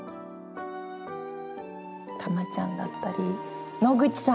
たまちゃんだったり野口さん！